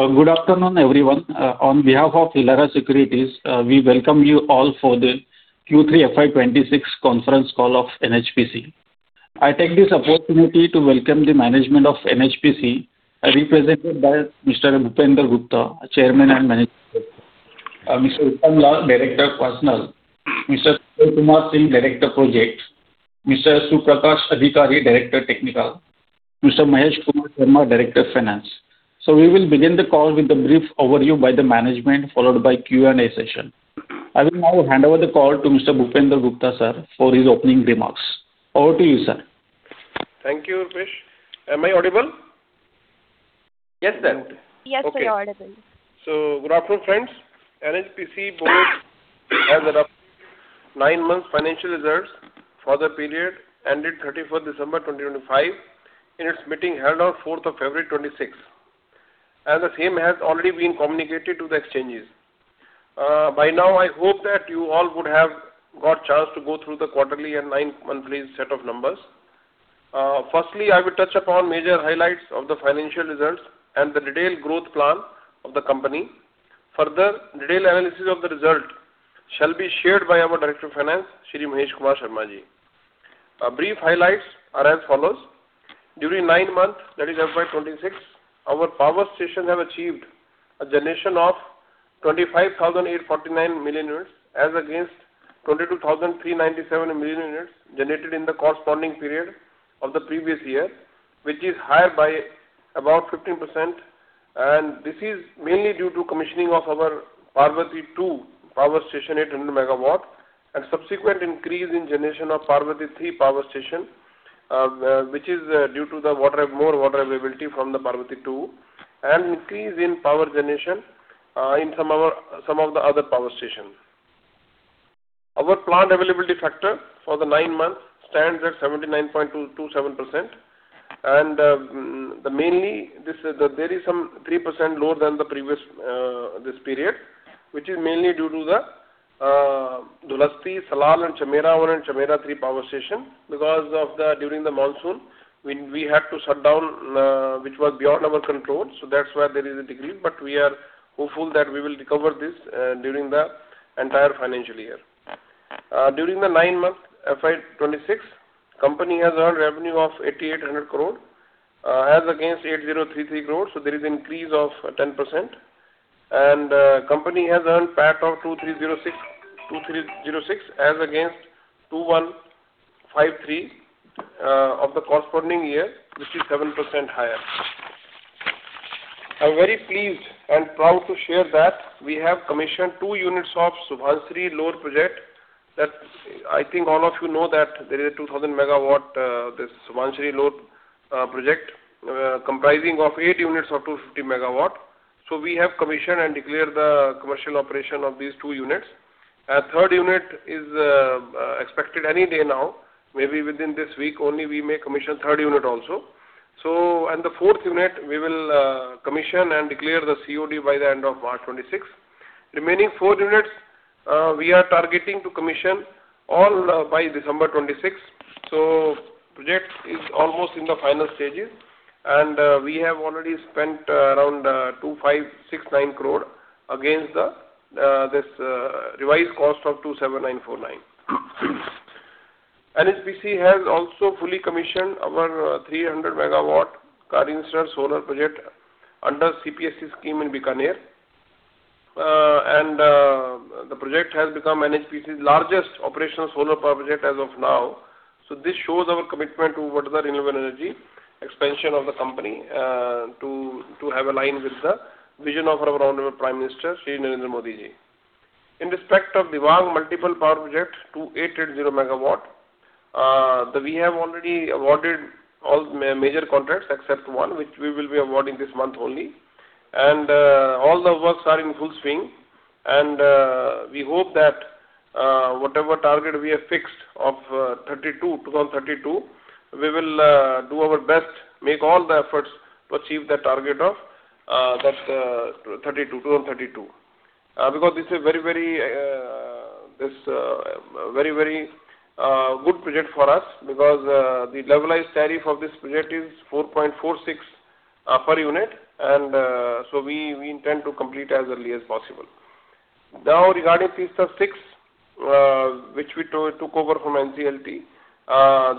Good afternoon, everyone. On behalf of Elara Securities, we welcome you all for the Q3 FY26 conference call of NHPC. I take this opportunity to welcome the management of NHPC, represented by Mr. Bhupender Gupta, Chairman and Managing Director, Mr. Uttam Lal, Director (Personnel), Mr. Sanjay Kumar Singh, Director (Projects), Mr. Suprakash Adhikari, Director (Technical), Mr. Mahesh Kumar Sharma, Director (Finance). We will begin the call with a brief overview by the management, followed by a Q&A session. I will now hand over the call to Mr. Bhupender Gupta, sir, for his opening remarks. Over to you, sir. Thank you, Rupesh. Am I audible? Yes, sir. Yes, sir, you're audible. So good afternoon, friends. NHPC board has an updated 9-month financial results for the period ended 31st December 2025 in its meeting held on 4th of February 2026, and the same has already been communicated to the exchanges. By now, I hope that you all would have got a chance to go through the quarterly and 9-monthly set of numbers. Firstly, I will touch upon major highlights of the financial results and the detailed growth plan of the company. Further detailed analysis of the result shall be shared by our Director of Finance, Shri Mahesh Kumar Sharma ji. Brief highlights are as follows: During 9 months, that is FY26, our power stations have achieved a generation of 25,849 million units against 22,397 million units generated in the corresponding period of the previous year, which is higher by about 15%. And this is mainly due to commissioning of our Parvati-II Power Station, 800 MW, and subsequent increase in generation of Parvati-III Power Station, which is due to more water availability from the Parvati-II, and increase in power generation in some of the other power stations. Our plant availability factor for the nine months stands at 79.27%. And mainly, there is some 3% lower than this period, which is mainly due to the Dulhasti Power Station, Salal Power Station, and Chamera-I Power Station and Chamera-III Power Station because during the monsoon, we had to shut down, which was beyond our control. So that's why there is a decrease. But we are hopeful that we will recover this during the entire financial year. During the nine-month FY26, the company has earned revenue of 8,800 crore, against 8,033 crore. So there is an increase of 10%. The company has earned PAT of 2,306 crore, as against 2,153 crore of the corresponding year, which is 7% higher. I'm very pleased and proud to share that we have commissioned 2 units of Subansiri Lower Project. I think all of you know that there is a 2,000-MW Subansiri Lower Project comprising of 8 units of 250 MW. So we have commissioned and declared the commercial operation of these 2 units. A third unit is expected any day now. Maybe within this week only, we may commission the third unit also. And the fourth unit, we will commission and declare the COD by the end of March 2026. Remaining 4 units, we are targeting to commission all by December 2026. So the project is almost in the final stages. And we have already spent around 2,569 crore against this revised cost of 27,949 crore. NHPC has also fully commissioned our 300 MW Karnisar Solar Project under the CPSU Scheme in Bikaner. The project has become NHPC's largest operational solar power project as of now. This shows our commitment to what is the renewable energy expansion of the company to have aligned with the vision of our honorable Prime Minister, Shri Narendra Modi ji. In respect of the Dibang Multipurpose Project of 2,880 MW, we have already awarded all major contracts except one, which we will be awarding this month only. All the works are in full swing. We hope that whatever target we have fixed of 2032, we will do our best to make all the efforts to achieve that target of 2032 because this is a very, very good project for us because the levelized tariff of this project is 4.46 per unit. We intend to complete as early as possible. Now, regarding Teesta-VI, which we took over from NCLT,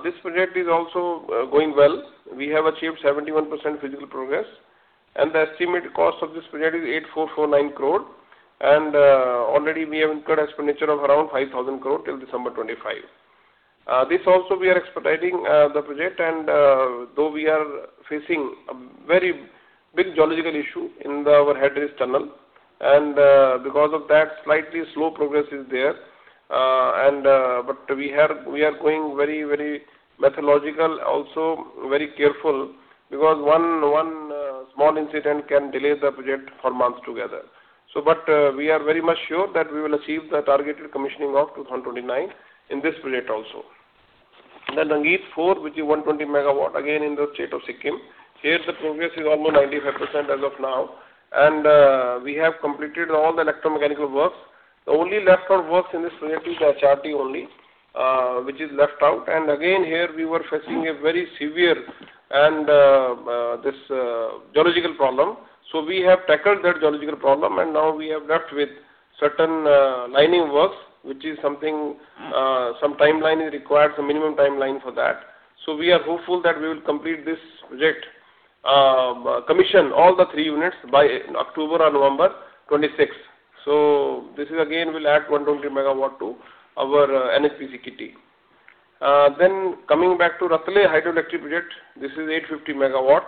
this project is also going well. We have achieved 71% physical progress. The estimated cost of this project is 8,449 crore. Already, we have incurred expenditure of around 5,000 crore till December 25. This also, we are expediting the project. Though we are facing a very big geological issue in our headrace tunnel, and because of that, slightly slow progress is there. But we are going very, very methodical, also very careful because one small incident can delay the project for months together. But we are very much sure that we will achieve the targeted commissioning of 2029 in this project also. Then Rangit-IV, which is 120 MW, again in the state of Sikkim. Here, the progress is almost 95% as of now. We have completed all the electromechanical works. The only leftover works in this project is the HRT only, which is left out. Again, here, we were facing a very severe geological problem. So we have tackled that geological problem. Now, we have left with certain lining works, which is something some timeline is required, some minimum timeline for that. So we are hopeful that we will complete this project, commission all the 3 units by October or November 2026. So this again will add 120 MW to our NHPC kitty. Then coming back to Ratle Hydroelectric Project, this is 850 MW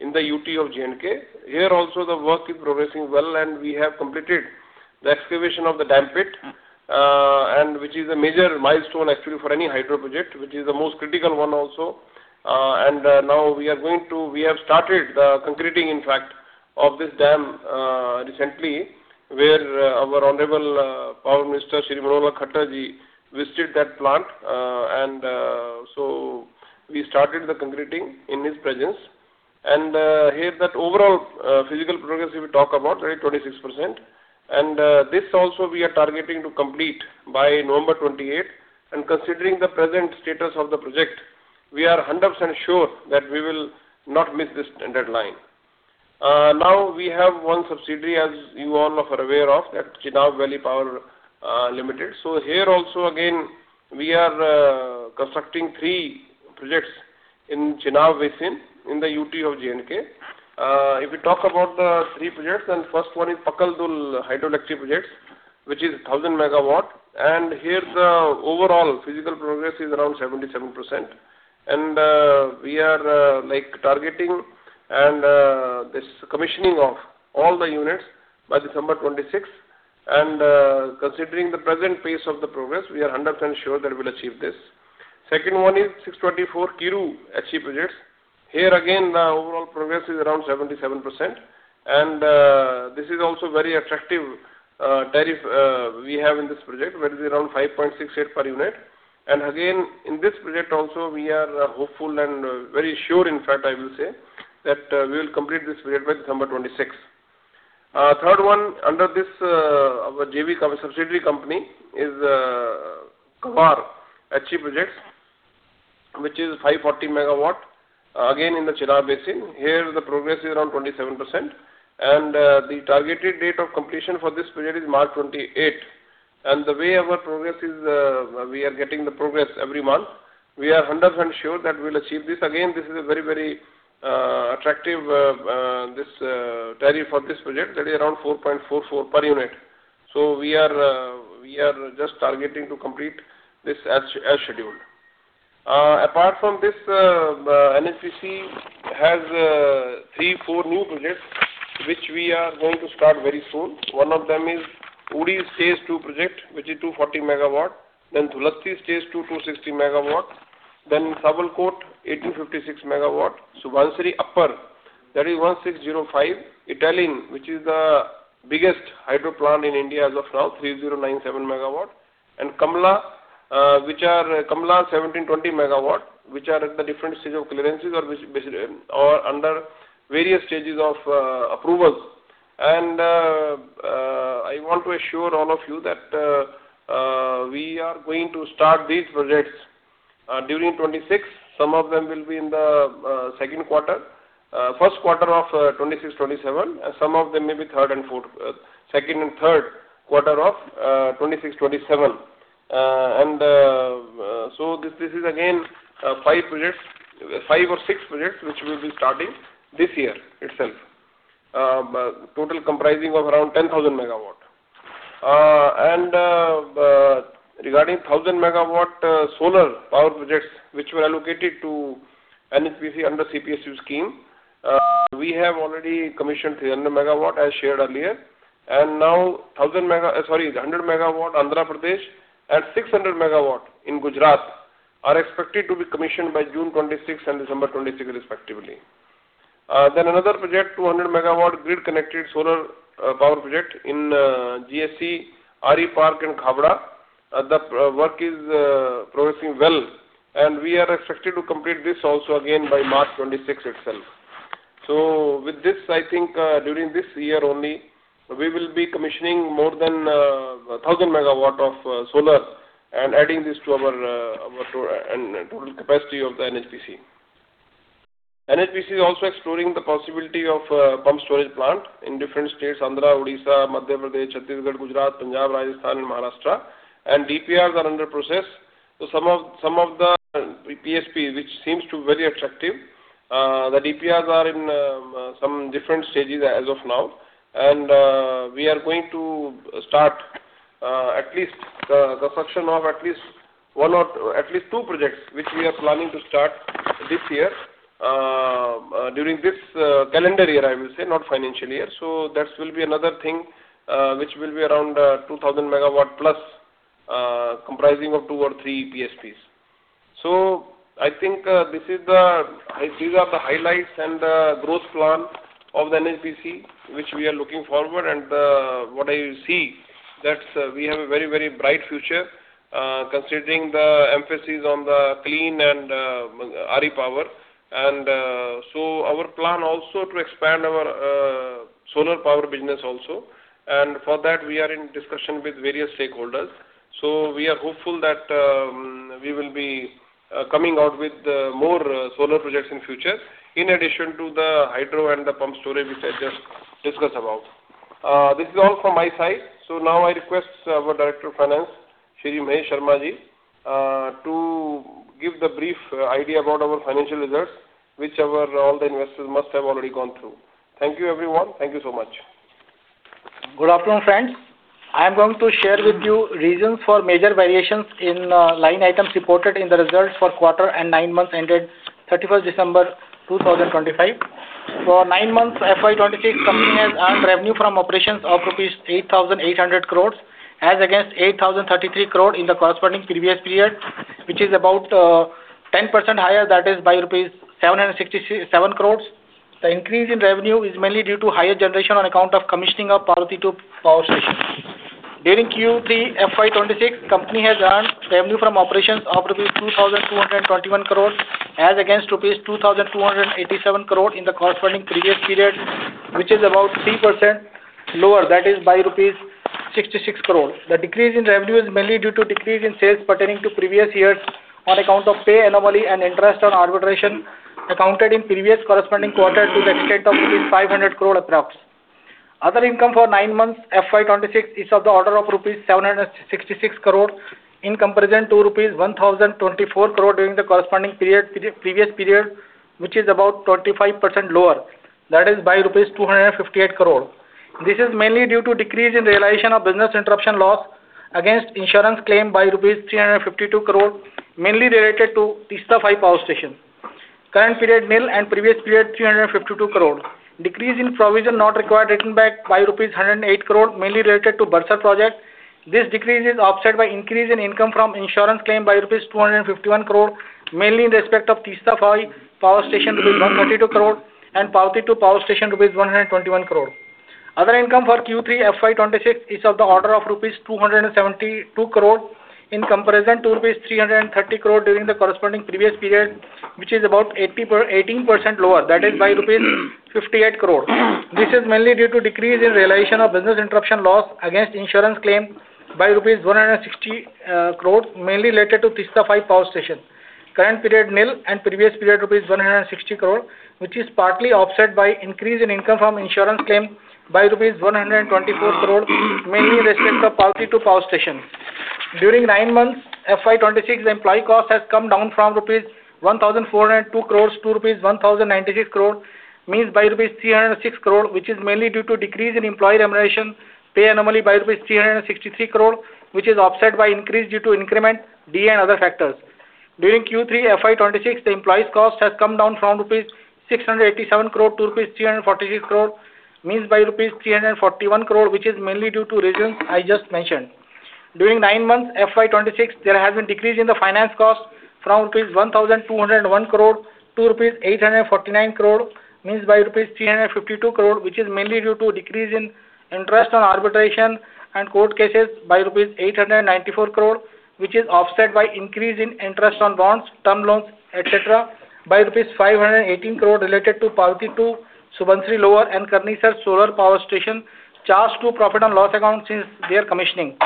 in the UT of J&K. Here, also, the work is progressing well. We have completed the excavation of the dam pit, which is a major milestone, actually, for any hydro project, which is the most critical one also. We have started the concreting, in fact, of this dam recently where our honorable Power Minister, Shri Manohar Lal Khattar ji, visited that plant. So we started the concreting in his presence. And here, that overall physical progress we talk about, that is 26%. And this also, we are targeting to complete by November 28. And considering the present status of the project, we are 100% sure that we will not miss this deadline. Now, we have one subsidiary, as you all are aware of, that is Chenab Valley Power Projects Private Limited. So here also, again, we are constructing three projects in Chenab Basin in the UT of J&K. If we talk about the three projects, then the first one is Pakal Dul Hydroelectric Project, which is 1,000 MW. And here, the overall physical progress is around 77%. We are targeting the commissioning of all the units by December 2026. Considering the present pace of the progress, we are 100% sure that we will achieve this. The second one is the 624 MW Kiru HE Project. Here again, the overall progress is around 77%. And this is also a very attractive tariff we have in this project, which is around 5.68 per unit. And again, in this project also, we are hopeful and very sure, in fact, I will say, that we will complete this project by December 2026. The third one under our subsidiary company is the 540 MW Kwar HE Project, again in the Chenab Basin. Here, the progress is around 27%. And the targeted date of completion for this project is March 2028. The way our progress is, we are getting the progress every month; we are 100% sure that we will achieve this. Again, this is a very, very attractive tariff for this project that is around 4.44 per unit. We are just targeting to complete this as scheduled. Apart from this, NHPC has three, four new projects, which we are going to start very soon. One of them is Uri-I Stage-II Project, which is 240 MW. Then Dulhasti Stage-II, 260 MW. Then Sawalkot, 1,856 MW. Subansiri Upper, that is 1,605 MW. Etalin, which is the biggest hydro plant in India as of now, 3,097 MW. And Kamala, which are Kamala, 1,720 MW, which are at the different stage of clearances or under various stages of approvals. And I want to assure all of you that we are going to start these projects during 2026. Some of them will be in the second quarter, first quarter of 2026-27. Some of them may be third and fourth, second and third quarter of 2026-27. So this is again 5 or 6 projects which we will be starting this year itself, total comprising of around 10,000 MW. Regarding 1,000 MW solar power projects, which were allocated to NHPC under the CPSU Scheme, we have already commissioned 300 MW, as shared earlier. Now, 1,000 MW sorry, 100 MW, Andhra Pradesh, and 600 MW in Gujarat are expected to be commissioned by June 2026 and December 2026, respectively. Then another project, 200 MW grid-connected solar power project in GSECL RE Park in Khavda. The work is progressing well. We are expected to complete this also again by March 2026 itself. So with this, I think during this year only, we will be commissioning more than 1,000 MW of solar and adding this to our total capacity of the NHPC. NHPC is also exploring the possibility of a pumped storage plant in different states: Andhra Pradesh, Odisha, Madhya Pradesh, Chhattisgarh, Gujarat, Punjab, Rajasthan, and Maharashtra. And DPRs are under process. So some of the PSP, which seems to be very attractive, the DPRs are in some different stages as of now. And we are going to start at least the construction of at least two projects, which we are planning to start this year during this calendar year, I will say, not financial year. So that will be another thing, which will be around 2,000 MW+, comprising of two or three PSPs. So I think these are the highlights and the growth plan of the NHPC, which we are looking forward. What I see, we have a very, very bright future considering the emphasis on the clean and RE power. Our plan also to expand our solar power business also. For that, we are in discussion with various stakeholders. We are hopeful that we will be coming out with more solar projects in the future in addition to the hydro and the pump storage, which I just discussed about. This is all from my side. Now, I request our Director of Finance, Shri Mahesh Kumar Sharma ji, to give the brief idea about our financial results, which all the investors must have already gone through. Thank you, everyone. Thank you so much. Good afternoon, friends. I am going to share with you reasons for major variations in line items reported in the results for quarter and nine months ended 31st December 2025. For nine months, FY26, the company has earned revenue from operations of rupees 8,800 crores as against 8,033 crore in the corresponding previous period, which is about 10% higher, that is, by rupees 767 crores. The increase in revenue is mainly due to higher generation on account of commissioning of Parvati-II Power Station. During Q3, FY26, the company has earned revenue from operations of rupees 2,221 crores as against rupees 2,287 crore in the corresponding previous period, which is about 3% lower, that is, by rupees 66 crores. The decrease in revenue is mainly due to decrease in sales pertaining to previous years on account of pay anomaly and interest on arbitration accounted in previous corresponding quarter to the extent of 500 crore approx. Other income for nine months, FY26, is of the order of rupees 766 crore in comparison to rupees 1,024 crore during the corresponding previous period, which is about 25% lower, that is, by rupees 258 crore. This is mainly due to decrease in realization of business interruption loss against insurance claim by rupees 352 crore, mainly related to Teesta-V power stations. Current period nil and previous period 352 crore. Decrease in provision not required written back by rupees 108 crore, mainly related to Bursar project. This decrease is offset by increase in income from insurance claim by rupees 251 crore, mainly in respect of Teesta-V power stations rupees 132 crore and Parvati-II power stations rupees 121 crore. Other income for Q3, FY26, is of the order of rupees 272 crore in comparison to rupees 330 crore during the corresponding previous period, which is about 18% lower, that is, by rupees 58 crore. This is mainly due to decrease in realization of business interruption loss against insurance claim by rupees 160 crore, mainly related to Teesta-V power stations. Current period nil and previous period rupees 160 crore, which is partly offset by increase in income from insurance claim by rupees 124 crore, mainly in respect of Parvati-II power stations. During nine months, FY26, the employee cost has come down from rupees 1,402 crores to rupees 1,096 crore, means by rupees 306 crore, which is mainly due to decrease in employee remuneration pay anomaly by rupees 363 crore, which is offset by increase due to increment, D, and other factors. During Q3, FY26, the employee's cost has come down from rupees 687 crore to rupees 346 crore, means by rupees 341 crore, which is mainly due to reasons I just mentioned. During nine months, FY26, there has been decrease in the finance cost from rupees 1,201 crore to rupees 849 crore, means by rupees 352 crore, which is mainly due to decrease in interest on arbitration and court cases by rupees 894 crore, which is offset by increase in interest on bonds, term loans, etc., by rupees 518 crore related to Parvati-II, Subansiri Lower, and Karnisar Solar Power Station charge to profit and loss account since their commissioning.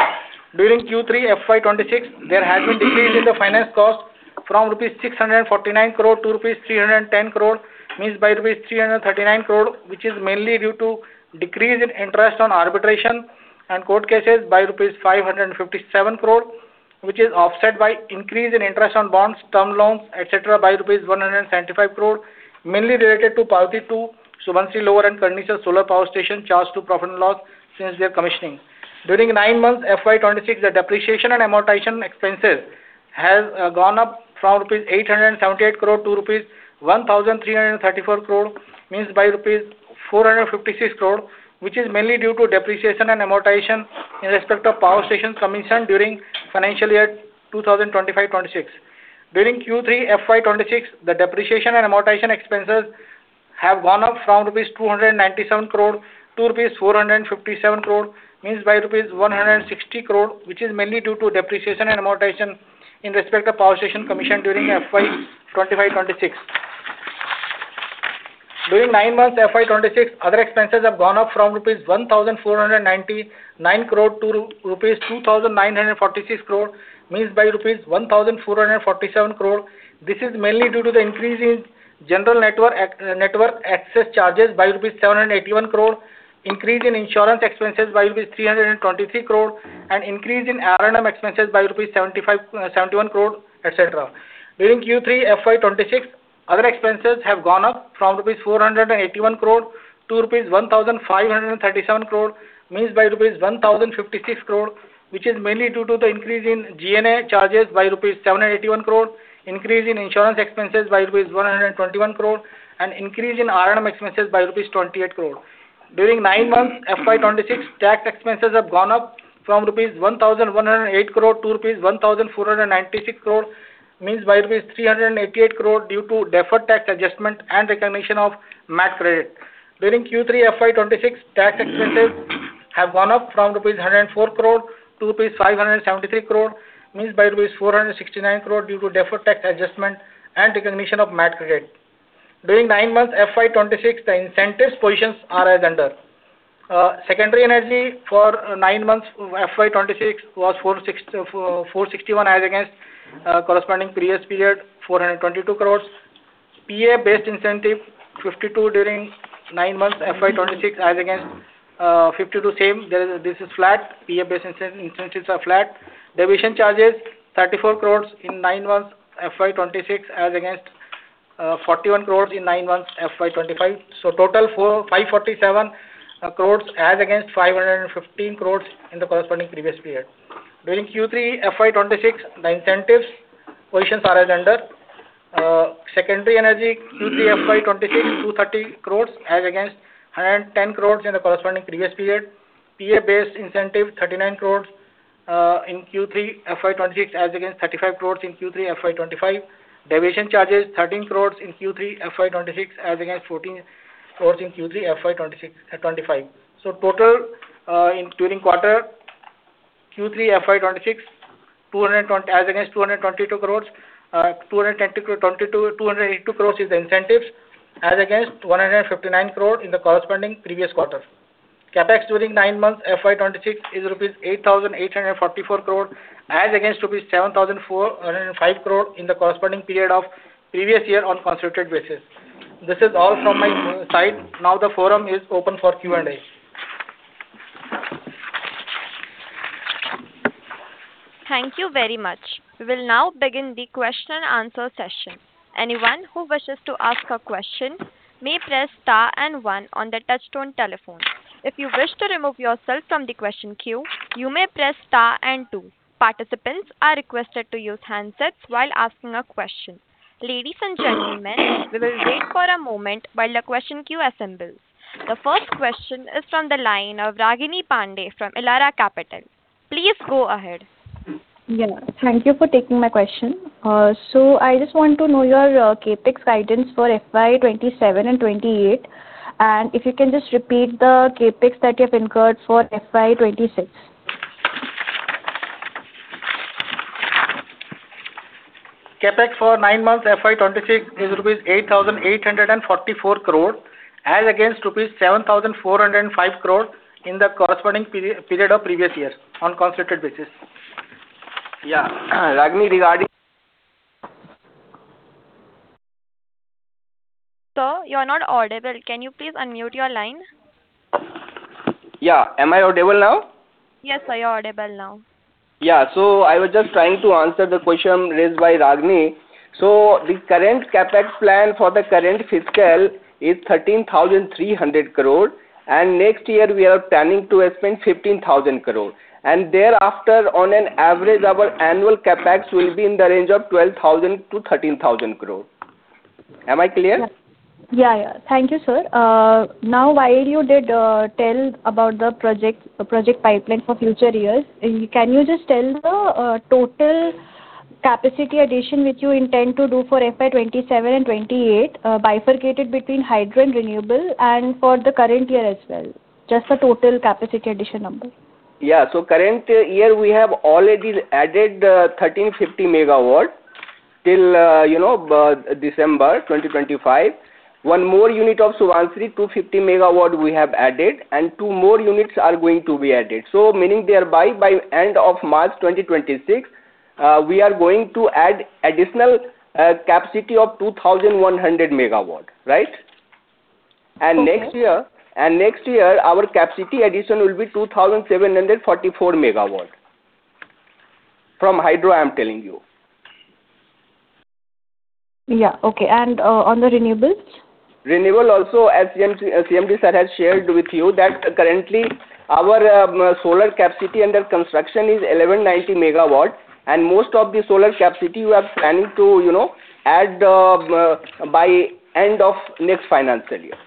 During Q3, FY26, there has been decrease in the finance cost from 649 crore rupees to 310 crore rupees, means by 339 crore rupees, which is mainly due to decrease in interest on arbitration and court cases by 557 crore rupees, which is offset by increase in interest on bonds, term loans, etc., by 175 crore rupees, mainly related to Parvati-II, Subansiri Lower, and Karnisar Solar Power Station charge to profit and loss since their commissioning. During nine months, FY26, the depreciation and amortization expenses have gone up from rupees 878 crore to rupees 1,334 crore, means by rupees 456 crore, which is mainly due to depreciation and amortization in respect of power stations commissioned during financial year 2025-26. During Q3, FY26, the depreciation and amortization expenses have gone up from rupees 297 crore to rupees 457 crore, means by rupees 160 crore, which is mainly due to depreciation and amortization in respect of power station commissioned during FY25-26. During nine months, FY26, other expenses have gone up from rupees 1,499 crore to rupees 2,946 crore, means by rupees 1,447 crore. This is mainly due to the increase in general network access charges by rupees 781 crore, increase in insurance expenses by rupees 323 crore, and increase in R&M expenses by rupees 71 crore, etc. During Q3, FY26, other expenses have gone up from rupees 481 crore to rupees 1,537 crore, means by rupees 1,056 crore, which is mainly due to the increase in GNA charges by rupees 781 crore, increase in insurance expenses by rupees 121 crore, and increase in R&M expenses by rupees 28 crore. During nine months, FY26, tax expenses have gone up from rupees 1,108 crore to rupees 1,496 crore, means by rupees 388 crore due to deferred tax adjustment and recognition of MAT credit. During Q3, FY26, tax expenses have gone up from INR 104 crore to INR 573 crore, means by INR 469 crore due to deferred tax adjustment and recognition of MAT credit. During nine months, FY26, the incentives positions are as under: Secondary Energy for nine months, FY26, was 461 as against corresponding previous period, 422 crores. PAF-based Incentive: 52 during nine months, FY26, as against 52 same. This is flat. PAF-based incentives are flat. Deviation Charges: 34 crore in nine months, FY26, as against 41 crore in nine months, FY25. So total: 547 crore as against 515 crore in the corresponding previous period. During Q3, FY26, the incentives positions are as under: Secondary Energy Q3, FY26, 230 crore as against 110 crore in the corresponding previous period. PAF-based Incentive: 39 crore in Q3, FY26, as against 35 crore in Q3, FY25. Deviation Charges: 13 crore in Q3, FY26, as against 14 crore in Q3, FY25. So total during quarter Q3, FY26, as against 222 crores, 282 crore is the incentives as against 159 crore in the corresponding previous quarter. CapEx during nine months, FY26, is rupees 8,844 crore as against rupees 7,405 crore in the corresponding period of previous year on consolidated basis. This is all from my side. Now, the forum is open for Q&A. Thank you very much. We will now begin the question-and-answer session. Anyone who wishes to ask a question may press star and one on the touch-tone telephone. If you wish to remove yourself from the question queue, you may press star and two. Participants are requested to use handsets while asking a question. Ladies and gentlemen, we will wait for a moment while the question queue assembles. The first question is from the line of Ragini Pande from Elara Capital. Please go ahead. Yeah. Thank you for taking my question. So I just want to know your CapEx guidance for FY27 and 28, and if you can just repeat the CapEx that you have incurred for FY26. CapEx for nine months, FY26, is rupees 8,844 crore as against rupees 7,405 crore in the corresponding period of previous year on consolidated basis. Yeah. Ragini, regarding. Sir, you are not audible. Can you please unmute your line? Yeah. Am I audible now? Yes, sir. You are audible now. Yeah. So I was just trying to answer the question raised by Ragini. The current CapEx plan for the current fiscal is 13,300 crore, and next year we are planning to spend 15,000 crore. Thereafter, on an average, our annual CapEx will be in the range of 12,000-13,000 crore. Am I clear? Yeah, yeah. Thank you, sir. Now, while you did tell about the project pipeline for future years, can you just tell the total capacity addition which you intend to do for FY27 and FY28, bifurcated between hydro and renewable, and for the current year as well? Just the total capacity addition number. Yeah. So current year, we have already added 1,350 MW till December 2025. One more unit of Subansiri, 250 MW, we have added, and two more units are going to be added. So meaning thereby, by the end of March 2026, we are going to add additional capacity of 2,100 MW, right? And next year, our capacity addition will be 2,744 MW from hydro, I'm telling you. Yeah. Okay. And on the renewables? Renewable also, as CMD sir has shared with you, that currently our solar capacity under construction is 1,190 MW, and most of the solar capacity we are planning to add by the end of next financial year.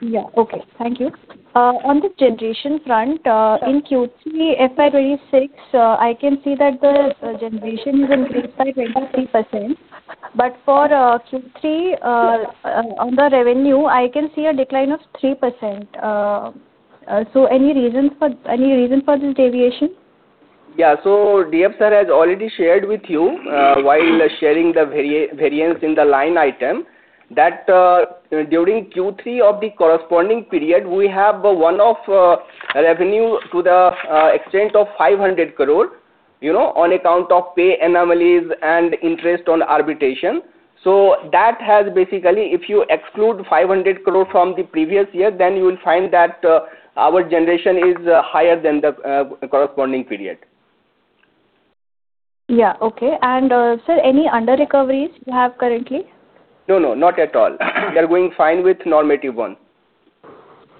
Yeah. Okay. Thank you. On the generation front, in Q3, FY26, I can see that the generation is increased by 23%. But for Q3, on the revenue, I can see a decline of 3%. So any reason for this deviation? Yeah. So DF sir has already shared with you, while sharing the variance in the line item, that during Q3 of the corresponding period, we have one-off revenue to the extent of 500 crore on account of pay anomalies and interest on arbitration. So that has basically, if you exclude 500 crore from the previous year, then you will find that our generation is higher than the corresponding period. Yeah. Okay. And sir, any under-recoveries you have currently? No, no. Not at all. We are going fine with normative one.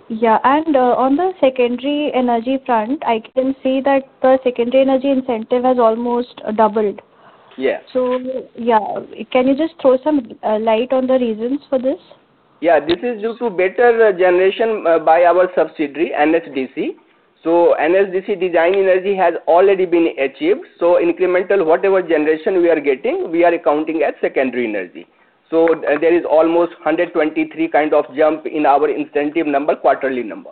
Yeah. On the secondary energy front, I can see that the secondary energy incentive has almost doubled. Yeah, can you just throw some light on the reasons for this? Yeah. This is due to better generation by our subsidiary, NHDC. So NHDC Design Energy has already been achieved. So incremental, whatever generation we are getting, we are accounting as secondary energy. So there is almost 123 kind of jump in our incentive number, quarterly number.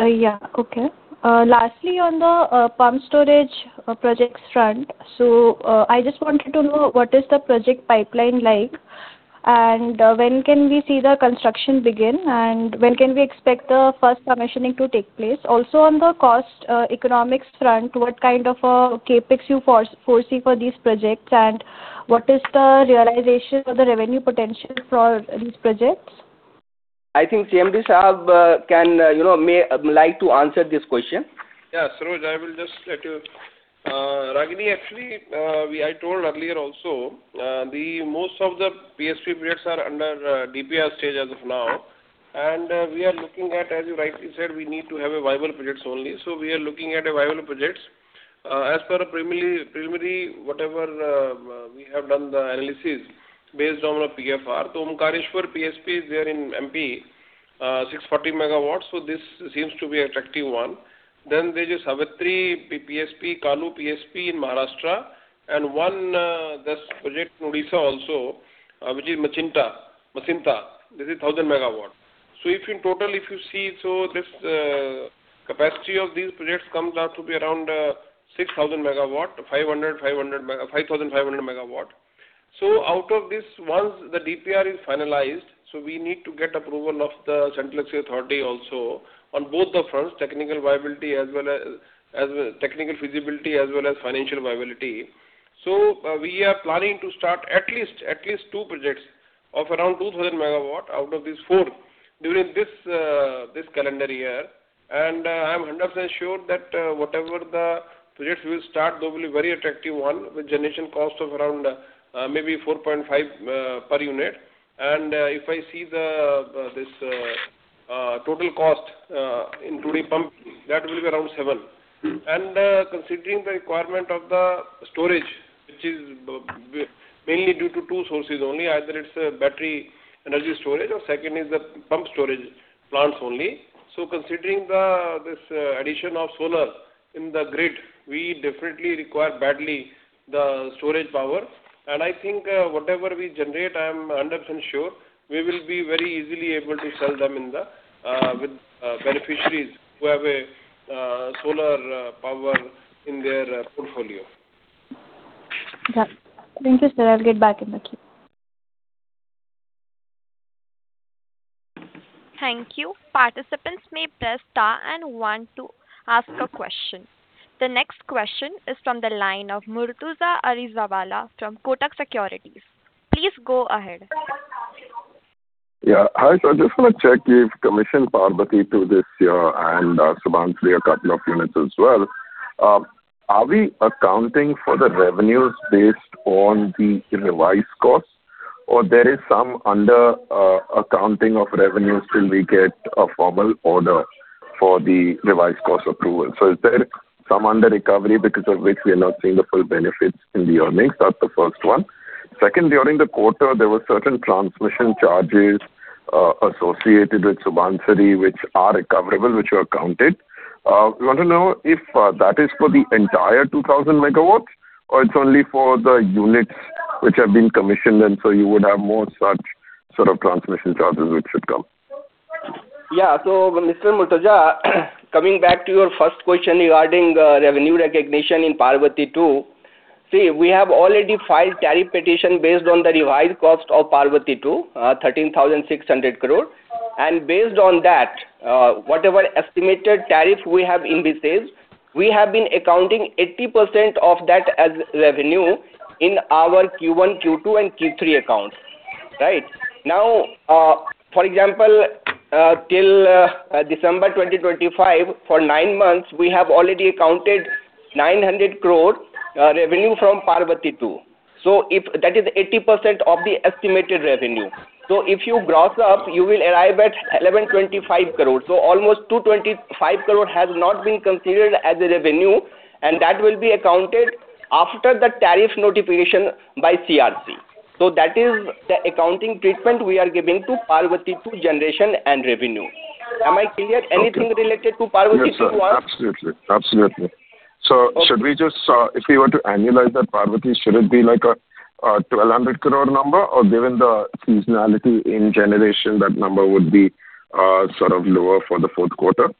Yeah. Okay. Lastly, on the pumped storage projects front, so I just wanted to know what is the project pipeline like, and when can we see the construction begin, and when can we expect the first commissioning to take place? Also on the cost economics front, what kind of CapEx you foresee for these projects, and what is the realization or the revenue potential for these projects? I think CMD sir may like to answer this question. Yeah. Saroj, I will just let you. Ragini, actually, I told earlier also, most of the PSP projects are under DPR stage as of now. We are looking at, as you rightly said, we need to have viable projects only. So we are looking at viable projects. As per primary, whatever we have done the analysis based on PFR. The Omkareshwar PSP is there in MP, 640 MW. So this seems to be an attractive one. Then there is a Savitri PSP, Kalu PSP in Maharashtra, and one project in Odisha also, which is Masinta. This is 1,000 MW. So in total, if you see, so this capacity of these projects comes out to be around 5,500-6,000 MW. So out of this, once the DPR is finalized, so we need to get approval of the centralized authority also on both the fronts, technical viability as well as technical feasibility as well as financial viability. So we are planning to start at least two projects of around 2,000 MW out of these four during this calendar year. And I'm 100% sure that whatever the projects we will start, those will be very attractive ones with generation cost of around maybe 4.5 per unit. And if I see this total cost including pumping, that will be around 7. And considering the requirement of the storage, which is mainly due to two sources only, either it's battery energy storage or second is the pumped storage plants only. So considering this addition of solar in the grid, we definitely require badly the storage power. I think whatever we generate, I'm 100% sure, we will be very easily able to sell them with beneficiaries who have solar power in their portfolio. Yeah. Thank you, sir. I'll get back in the queue. Thank you. Participants may press star and one to ask a question. The next question is from the line of Murtuza Arsiwalla from Kotak Securities. Please go ahead. Yeah. Hi, sir. Just want to check if Parvati-II was commissioned this year and Subansiri Lower a couple of units as well. Are we accounting for the revenues based on the revised costs, or there is some under-accounting of revenues till we get a formal order for the revised cost approval? So is there some under-recovery because of which we are not seeing the full benefits in the earnings? That's the first one. Second, during the quarter, there were certain transmission charges associated with Subansiri Lower which are recoverable, which were accounted. We want to know if that is for the entire 2,000 MW or it's only for the units which have been commissioned and so you would have more such sort of transmission charges which should come. Yeah. So Mr. Murtuza, coming back to your first question regarding revenue recognition in Parvati 2, see, we have already filed tariff petition based on the revised cost of Parvati 2, 13,600 crore. And based on that, whatever estimated tariff we have in BCS, we have been accounting 80% of that as revenue in our Q1, Q2, and Q3 accounts, right? Now, for example, till December 2025, for nine months, we have already accounted 900 crore revenue from Parvati 2. So that is 80% of the estimated revenue. So if you gross up, you will arrive at 1,125 crore. So almost 225 crore has not been considered as revenue, and that will be accounted after the tariff notification by CERC. So that is the accounting treatment we are giving to Parvati 2 generation and revenue. Am I clear? Anything related to Parvati 2 once? Absolutely. Absolutely. So should we just if we were to annualize that, Parvati, should it be like a 1,200 crore number, or given the seasonality in generation, that number would be sort of lower for the fourth quarter?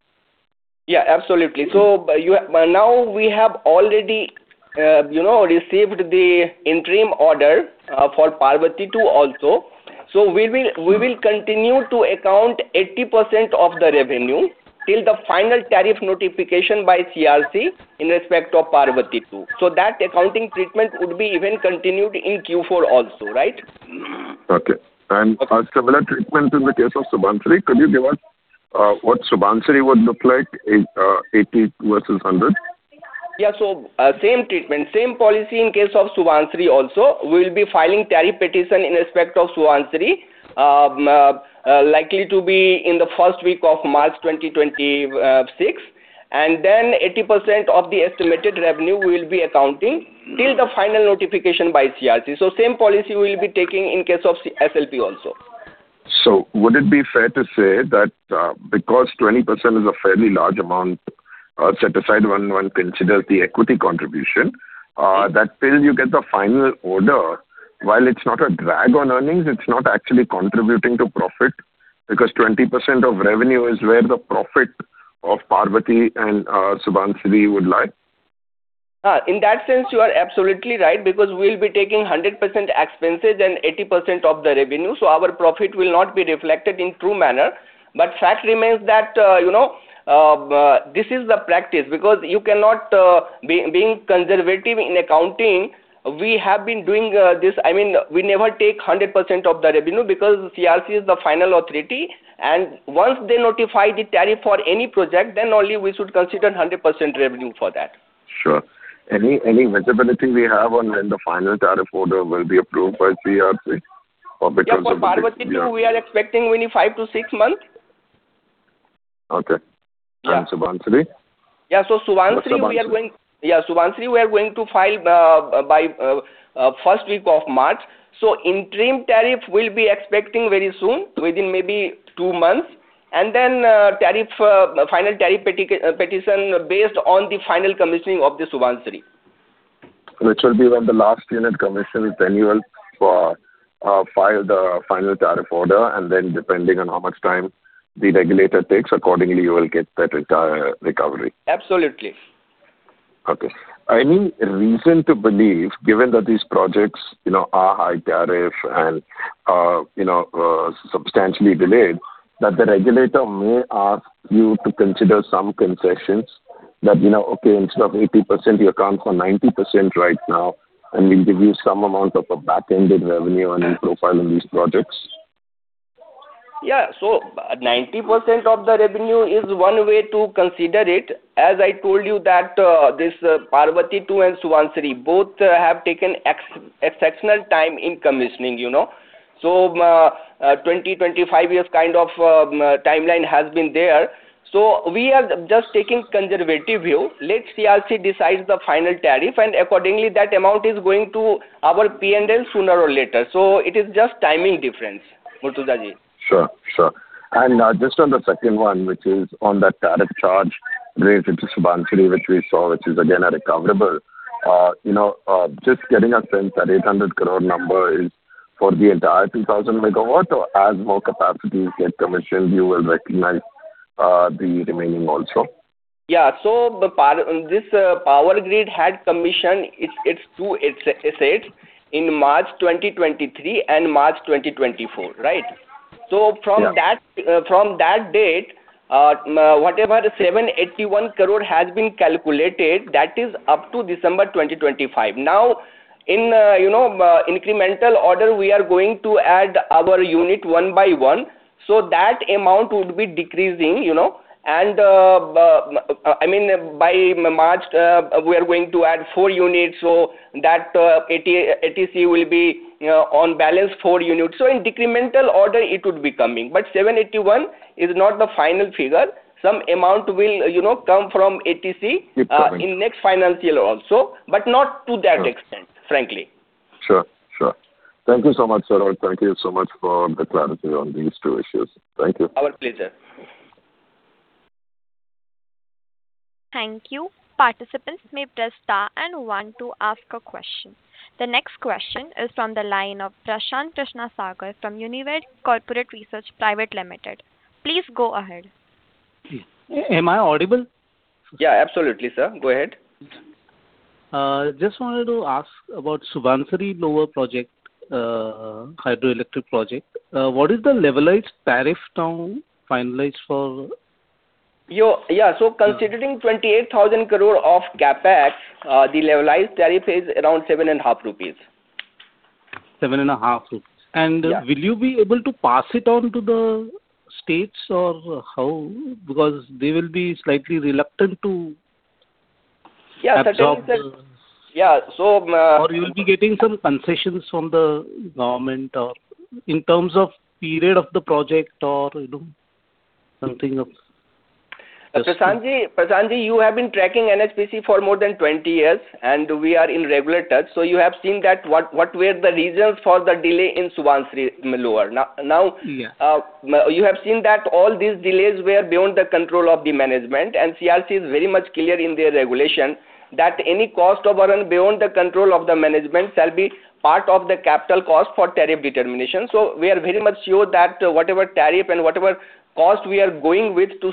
Yeah. Absolutely. So now we have already received the interim order for Parvati-II also. So we will continue to account 80% of the revenue till the final tariff notification by CERC in respect of Parvati-II. So that accounting treatment would be even continued in Q4 also, right? Okay. Similar treatment in the case of Subansiri, could you give us what Subansiri would look like 80 versus 100? Yeah. So same treatment, same policy in case of Subansiri Lower also. We will be filing tariff petition in respect of Subansiri Lower, likely to be in the first week of March 2026. And then 80% of the estimated revenue we will be accounting till the final notification by CERC. So same policy we will be taking in case of SLP also. Would it be fair to say that because 20% is a fairly large amount set aside when one considers the equity contribution, that till you get the final order, while it's not a drag on earnings, it's not actually contributing to profit because 20% of revenue is where the profit of Parvati and Subansiri would lie? In that sense, you are absolutely right because we will be taking 100% expenses and 80% of the revenue. So our profit will not be reflected in true manner. But fact remains that this is the practice because you cannot being conservative in accounting, we have been doing this I mean, we never take 100% of the revenue because CERC is the final authority. And once they notify the tariff for any project, then only we should consider 100% revenue for that. Sure. Any visibility we have on when the final tariff order will be approved by CERC or because of the? Yeah. For Parvati-II, we are expecting maybe 5-6 months. Okay. And Subansiri? Yeah. So Subansiri, we are going to file by first week of March. So interim tariff we'll be expecting very soon, within maybe two months, and then final tariff petition based on the final commissioning of the Subansiri. Which will be when the last unit is commissioned, an annual filing the final tariff order. And then, depending on how much time the regulator takes, accordingly, you will get that entire recovery. Absolutely. Okay. Any reason to believe, given that these projects are high tariff and substantially delayed, that the regulator may ask you to consider some concessions that, "Okay, instead of 80%, you account for 90% right now, and we'll give you some amount of a back-ended revenue and profile in these projects"? Yeah. So 90% of the revenue is one way to consider it. As I told you, this Parvati 2 and Subansiri, both have taken exceptional time in commissioning. So 20-25 years kind of timeline has been there. So we are just taking conservative view. Let CERC decide the final tariff. And accordingly, that amount is going to our P&L sooner or later. So it is just timing difference, Murtuza ji. Sure. Sure. And just on the second one, which is on that tariff charge related to Subansiri, which we saw, which is again a recoverable, just getting a sense that 800 crore number is for the entire 2,000 MW. So as more capacities get commissioned, you will recognize the remaining also? Yeah. So this Power Grid had commissioned its two assets in March 2023 and March 2024, right? So from that date, whatever 781 crore has been calculated, that is up to December 2025. Now, in incremental order, we are going to add our unit one by one. So that amount would be decreasing. And I mean, by March, we are going to add four units. So that ATC will be on balance four units. So in decremental order, it would be coming. But 781 is not the final figure. Some amount will come from ATC in next financial year also, but not to that extent, frankly. Sure. Sure. Thank you so much, sir. Thank you so much for the clarity on these two issues. Thank you. Our pleasure. Thank you. Participants may press star and one to ask a question. The next question is from the line of Prashant Kshirsagar from Unived Corporate Research Private Limited. Please go ahead. Am I audible? Yeah. Absolutely, sir. Go ahead. Just wanted to ask about Subansiri Lower Project, hydroelectric project. What is the levelized tariff now finalized for? Yeah. So considering 28,000 crore of CapEx, the levelized tariff is around 7.5 rupees. 7.5 rupees. And will you be able to pass it on to the states or how? Because they will be slightly reluctant to accept the. Yeah. Certainly, sir. Yeah. So. Or you will be getting some concessions from the government in terms of period of the project or something of? Prashant ji, you have been tracking NHPC for more than 20 years, and we are in regular touch. So you have seen what were the reasons for the delay in Subansiri Lower. Now, you have seen that all these delays were beyond the control of the management. And CERC is very much clear in their regulation that any cost overrun beyond the control of the management shall be part of the capital cost for tariff determination. So we are very much sure that whatever tariff and whatever cost we are going with to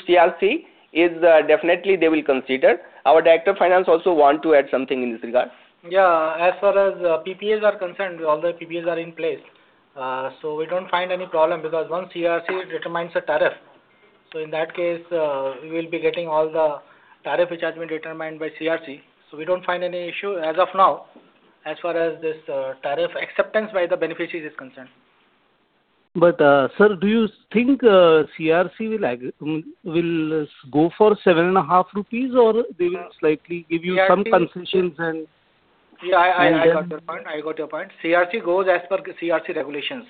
CERC, definitely, they will consider. Our Director of Finance also want to add something in this regard. Yeah. As far as PPAs are concerned, all the PPAs are in place. So we don't find any problem because once CERC determines a tariff. So in that case, we will be getting all the tariff which has been determined by CERC. So we don't find any issue as of now as far as this tariff acceptance by the beneficiaries is concerned. But sir, do you think CERC will go for 7.5 rupees, or they will slightly give you some concessions and? Yeah. I got your point. I got your point. CERC goes as per CERC regulations.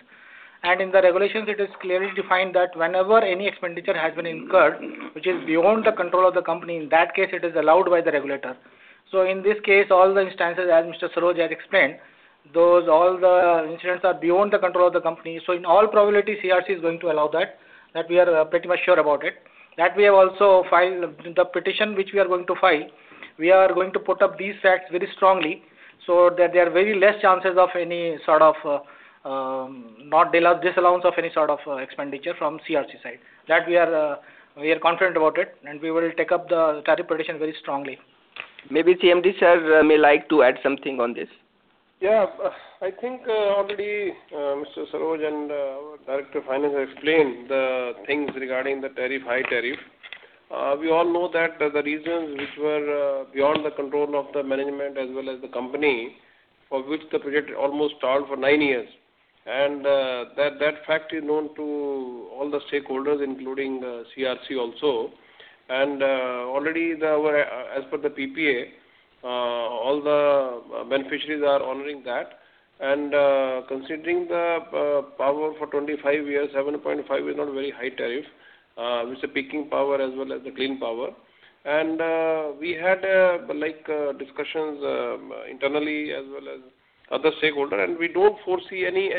In the regulations, it is clearly defined that whenever any expenditure has been incurred which is beyond the control of the company, in that case, it is allowed by the regulator. In this case, all the instances, as Mr. Saroj had explained, all the incidents are beyond the control of the company. In all probability, CERC is going to allow that. We are pretty much sure about it. That we have also filed the petition which we are going to file, we are going to put up these facts very strongly so that there are very less chances of any sort of disallowance of any sort of expenditure from CERC side. That we are confident about it, and we will take up the tariff petition very strongly. Maybe CMD, sir, may like to add something on this. Yeah. I think already Mr. Saroj and our Director of Finance explained the things regarding the tariff, high tariff. We all know that the reasons which were beyond the control of the management as well as the company for which the project almost stalled for 9 years. That fact is known to all the stakeholders, including CERC also. Already, as per the PPA, all the beneficiaries are honoring that. Considering the power for 25 years, 7.5 is not a very high tariff with the peaking power as well as the clean power. We had discussions internally as well as other stakeholders. We don't foresee any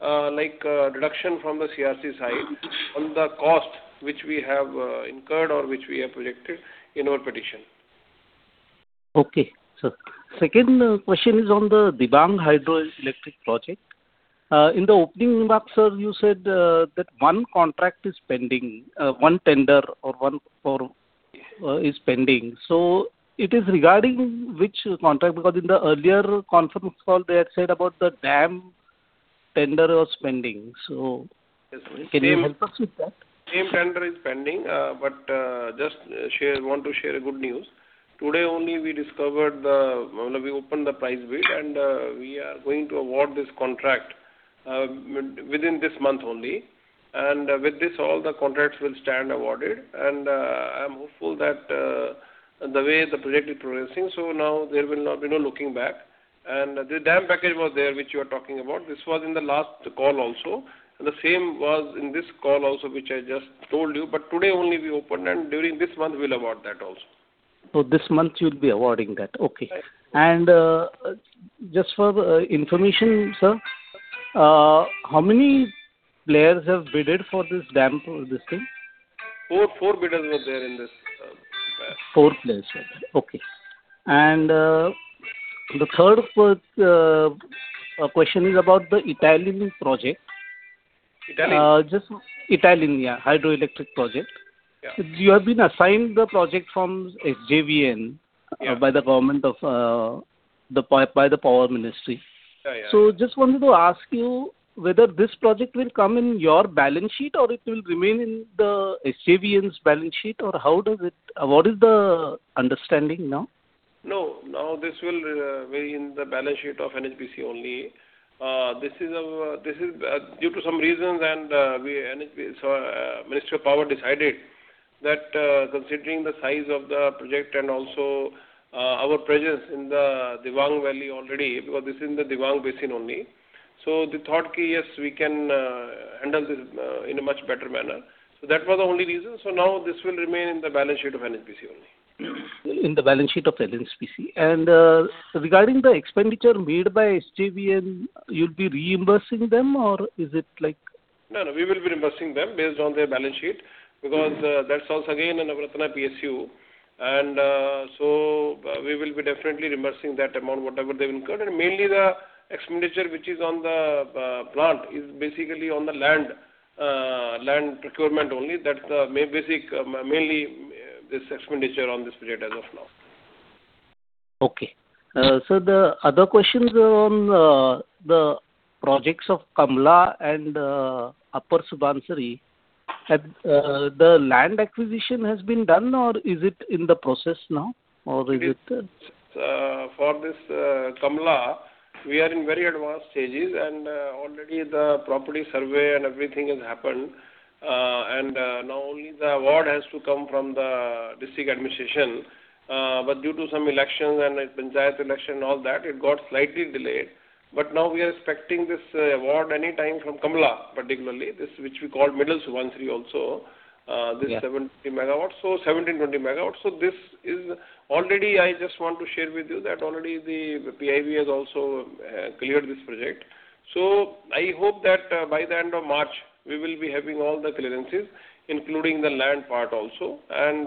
deduction from the CERC side on the cost which we have incurred or which we have projected in our petition. Okay. So second question is on the Dibang Hydroelectric project. In the opening remarks, sir, you said that one contract is pending, one tender is pending. So it is regarding which contract because in the earlier conference call, they had said about the dam tender was pending. So can you help us with that? Same tender is pending. But just want to share a good news. Today only, we discovered the—I mean, we opened the price bid, and we are going to award this contract within this month only. And with this, all the contracts will stand awarded. And I am hopeful that the way the project is progressing, so now there will not be no looking back. And the dam package was there which you are talking about. This was in the last call also. And the same was in this call also which I just told you. But today only, we opened. And during this month, we'll award that also. This month, you'll be awarding that. Okay. Just for information, sir, how many players have bid for this dam or this thing? Four bidders were there in this class. Four players were there. Okay. And the third question is about the Etalin project. Etalin? Etalin, yeah, hydroelectric project. You have been assigned the project from SJVN by the government by the power ministry. So just wanted to ask you whether this project will come in your balance sheet or it will remain in the SJVN's balance sheet, or how does it, what is the understanding now? No. Now, this will be in the balance sheet of NHPC only. This is due to some reasons, and so Minister of Power decided that considering the size of the project and also our presence in the Dibang Valley already because this is in the Dibang basin only, so they thought that, "Yes, we can handle this in a much better manner." So that was the only reason. So now, this will remain in the balance sheet of NHPC only. In the balance sheet of the NHPC. And regarding the expenditure made by SJVN, you'll be reimbursing them, or is it like? No, no. We will be reimbursing them based on their balance sheet because that's also, again, another PSU. And so we will be definitely reimbursing that amount, whatever they've incurred. And mainly, the expenditure which is on the plant is basically on the land procurement only. That's mainly this expenditure on this project as of now. Okay. So the other questions are on the projects of Kamala and Subansiri Upper. The land acquisition has been done, or is it in the process now, or is it? For this Kamala, we are in very advanced stages. Already, the property survey and everything has happened. Now, only the award has to come from the district administration. But due to some elections and panchayat election and all that, it got slightly delayed. But now, we are expecting this award anytime from Kamala, particularly, which we called Middle Subansiri also, this 720 MW. So 1,720 MW. Already, I just want to share with you that already, the PIB has also cleared this project. So I hope that by the end of March, we will be having all the clearances, including the land part also. And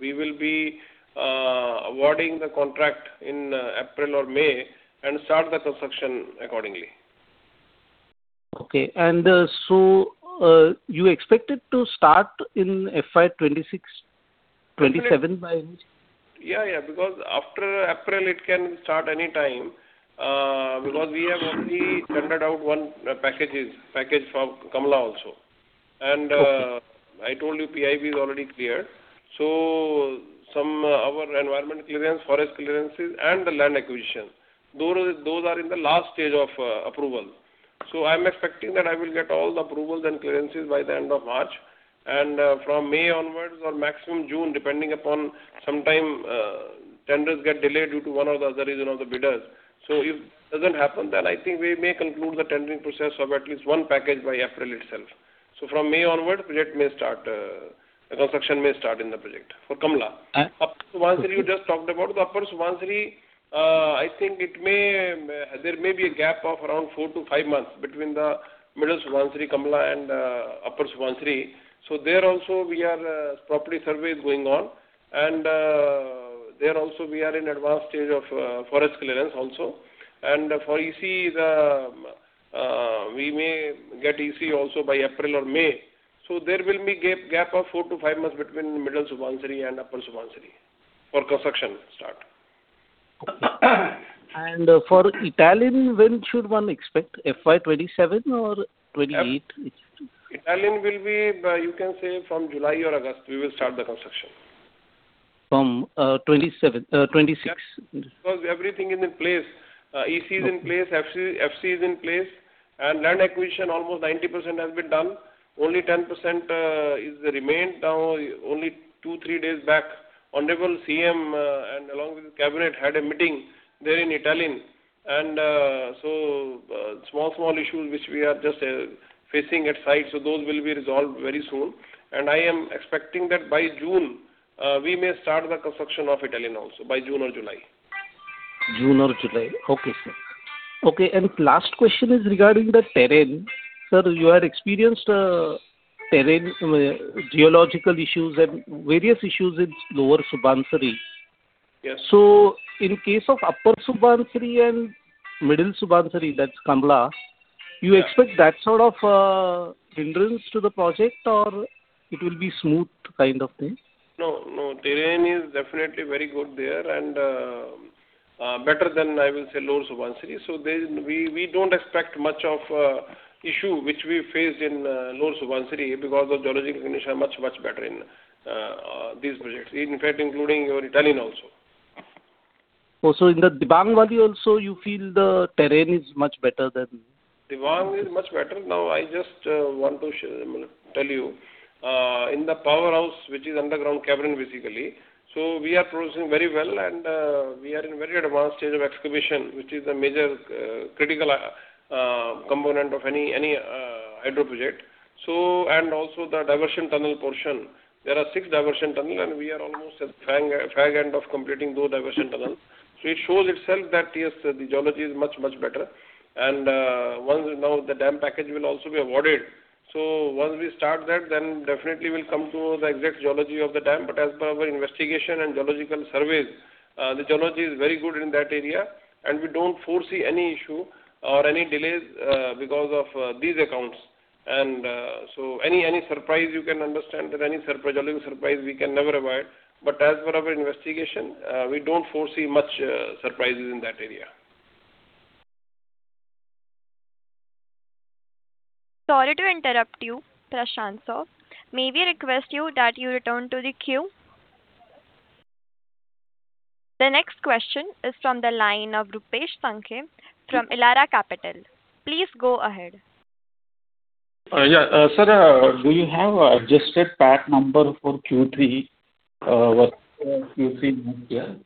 we will be awarding the contract in April or May and start the construction accordingly. Okay. And so you expected to start in FY 2026, 2027 by NHPC? Yeah. Yeah. Because after April, it can start anytime because we have only tendered out one package for Kamala also. And I told you PIB is already cleared. So some of our environment clearance, forest clearances, and the land acquisition, those are in the last stage of approval. So I am expecting that I will get all the approvals and clearances by the end of March. And from May onwards or maximum June, depending upon sometimes, tenders get delayed due to one or the other reason of the bidders. So if it doesn't happen, then I think we may conclude the tendering process of at least one package by April itself. So from May onwards, the project may start the construction may start in the project for Kamala. Subansiri Upper, you just talked about. The Upper Subansiri, I think there may be a gap of around 4-5 months between the Middle Subansiri, Kamala, and Upper Subansiri. So there also, property survey is going on. And there also, we are in advanced stage of forest clearance also. And for EC, we may get EC also by April or May. So there will be a gap of 4-5 months between Middle Subansiri and Upper Subansiri for construction start. For Etalin, when should one expect, FY 2027 or 2028? Etalin will be, you can say, from July or August, we will start the construction. From 26? Because everything is in place. EC is in place. FC is in place. And land acquisition, almost 90% has been done. Only 10% remained. Now, only two, three days back, Honorable CM and along with his cabinet had a meeting there in Etalin. And so small, small issues which we are just facing at site, so those will be resolved very soon. And I am expecting that by June, we may start the construction of Etalin also by June or July. June or July. Okay, sir. Okay. Last question is regarding the terrain. Sir, you have experienced geological issues and various issues in Lower Subansiri. So in case of Upper Subansiri and Middle Subansiri, that's Kamala, you expect that sort of hindrance to the project, or it will be smooth kind of thing? No. No. Terrain is definitely very good there and better than, I will say, Lower Subansiri. So we don't expect much of an issue which we faced in Lower Subansiri because the geological conditions are much, much better in these projects, in fact, including your Etalin also. Oh, so in the Dibang Valley also, you feel the terrain is much better than? Dibang is much better. Now, I just want to tell you, in the powerhouse which is underground cavern, basically, so we are progressing very well. We are in a very advanced stage of excavation, which is the major critical component of any hydroproject. Also, the diversion tunnel portion, there are six diversion tunnels, and we are almost at the far end of completing those diversion tunnels. So it shows itself that, yes, the geology is much, much better. Now, the dam package will also be awarded. So once we start that, then definitely, we'll come to the exact geology of the dam. But as per our investigation and geological surveys, the geology is very good in that area. We don't foresee any issue or any delays because of these accounts. So any surprise, you can understand that any geological surprise, we can never avoid. As per our investigation, we don't foresee much surprises in that area. Sorry to interrupt you, Prashant Sir. May we request you that you return to the queue? The next question is from the line of Rupesh Sankhe from Elara Capital. Please go ahead. Yeah. Sir, do you have adjusted PAT number for Q3? Was Q3 not here?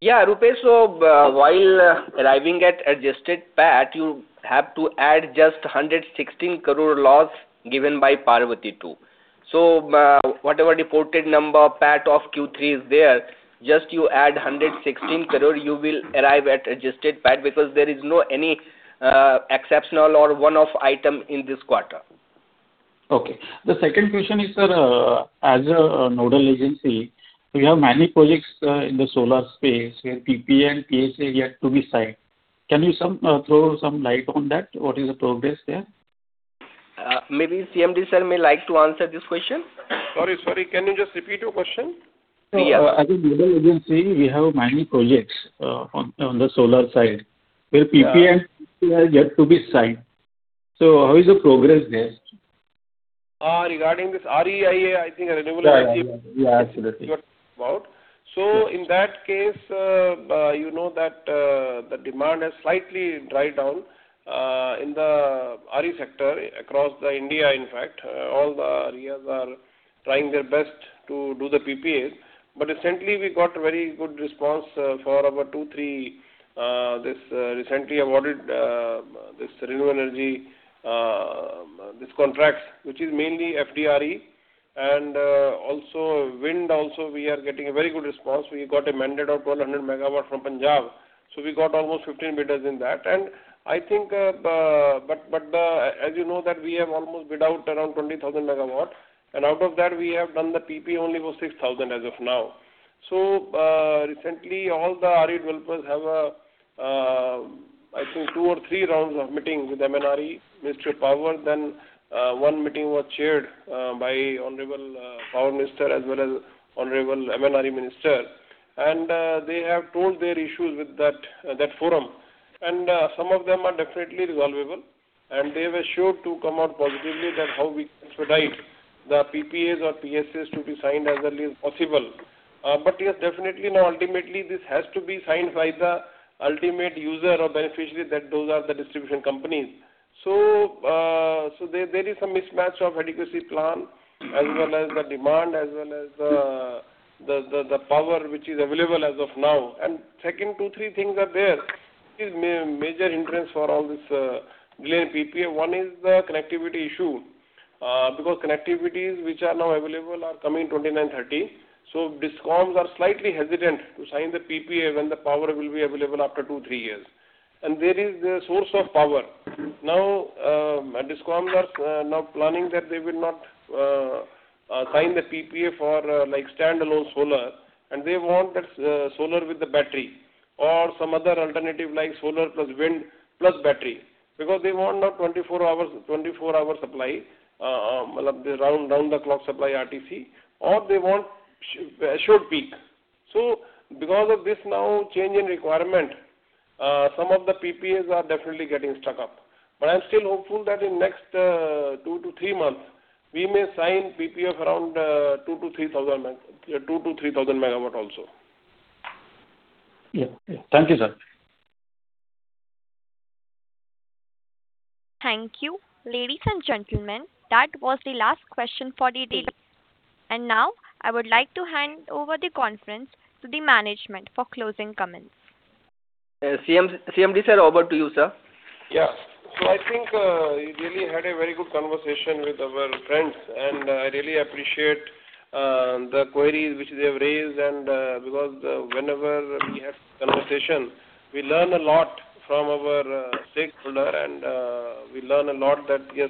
Yeah. Rupesh, while arriving at adjusted PAT, you have to add just 116 crore loss given by Parvati-II too. So whatever reported number PAT of Q3 is there, just you add 116 crore, you will arrive at adjusted PAT because there is no exceptional or one-off item in this quarter. Okay. The second question is, sir, as a nodal agency, we have many projects in the solar space where PPA and PSA have to be signed. Can you throw some light on that? What is the progress there? Maybe CMD, sir, may like to answer this question? Sorry. Sorry. Can you just repeat your question? Yes. As a nodal agency, we have many projects on the solar side where PPA and PSA have to be signed. So how is the progress there? Regarding this, REIA, I think, Renewable Energy. Yeah. Yeah. Absolutely. You are talking about. So in that case, you know that the demand has slightly dried down in the RE sector across India, in fact. All the areas are trying their best to do the PPAs. But recently, we got a very good response for about 2, 3 recently awarded this Renewable Energy contracts, which is mainly FDRE. And wind also, we are getting a very good response. We got amended our 1,200 MW from Punjab. So we got almost 15 bidders in that. And I think but as you know that, we have almost bid out around 20,000 MW. And out of that, we have done the PPA only for 6,000 as of now. So recently, all the RE developers have, I think, 2 or 3 rounds of meetings with MNRE, Minister of Power. Then one meeting was chaired by Honorable Power Minister as well as Honorable MNRE Minister. They have told their issues with that forum. And some of them are definitely resolvable. And they were sure to come out positively that how we expedite the PPAs or PSAs to be signed as early as possible. But yes, definitely, now, ultimately, this has to be signed by the ultimate user or beneficiary. Those are the distribution companies. So there is some mismatch of adequacy plan as well as the demand as well as the power which is available as of now. And second, 2, 3 things are there. Major hindrance for all this delay in PPA, one is the connectivity issue because connectivities which are now available are coming 29-30. So DISCOMs are slightly hesitant to sign the PPA when the power will be available after 2, 3 years. And there is the source of power. Now, DISCOMs are now planning that they will not sign the PPA for standalone solar. And they want that solar with the battery or some other alternative like solar plus wind plus battery because they want now 24-hour supply, round-the-clock supply, RTC, or they want assured peak. So because of this now change in requirement, some of the PPAs are definitely getting stuck up. But I'm still hopeful that in the next 2-3 months, we may sign PPA of around 2,000-3,000 2,000 MW-3,000 MW also. Yeah. Yeah. Thank you, sir. Thank you, ladies and gentlemen. That was the last question for the day. Now, I would like to hand over the conference to the management for closing comments. CMD, sir, over to you, sir. Yeah. So I think we really had a very good conversation with our friends. And I really appreciate the queries which they have raised because whenever we have this conversation, we learn a lot from our stakeholder. And we learn a lot that, yes,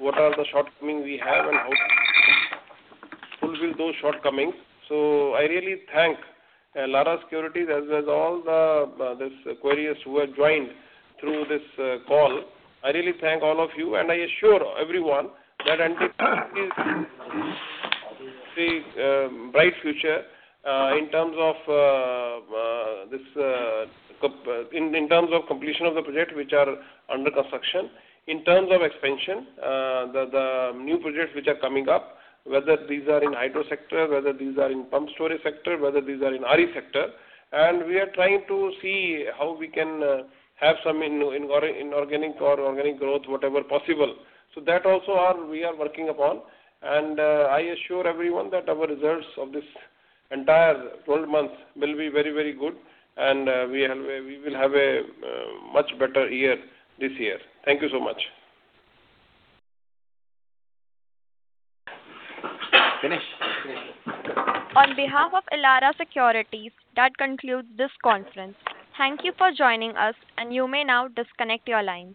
what are the shortcomings we have and how to fulfill those shortcomings. So I really thank Elara Capital as well as all these queriers who have joined through this call. I really thank all of you. And I assure everyone that NHPC has a bright future in terms of this in terms of completion of the projects which are under construction, in terms of expansion, the new projects which are coming up, whether these are in hydro sector, whether these are in pumped storage sector, whether these are in RE sector. We are trying to see how we can have some inorganic or organic growth, whatever possible. So that also, we are working upon. I assure everyone that our results of this entire 12 months will be very, very good. We will have a much better year this year. Thank you so much. Finish. On behalf of Elara Capital, that concludes this conference. Thank you for joining us. You may now disconnect your lines.